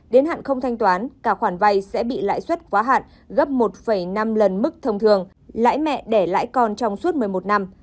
đến hạn không thanh toán cả khoản vay sẽ bị lãi suất quá hạn gấp một năm lần mức thông thường lãi mẹ để lãi con trong suốt một mươi một năm